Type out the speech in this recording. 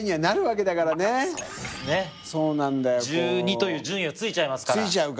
１２という順位はついちゃいますから。